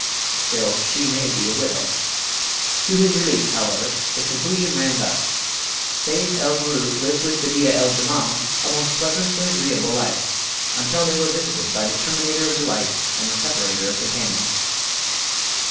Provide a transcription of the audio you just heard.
"Still, she may be a widow!" To his relief, however, the conclusion ran thus; "Seyf el Mulook lived with Bedeea el Jemal a most pleasant and agreeable life ... until they were visited by the terminator of delights and the separator of companions."